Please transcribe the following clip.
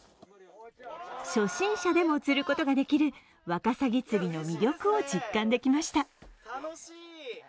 初心者でも釣ることができるワキサギ釣りの魅力を実感できました。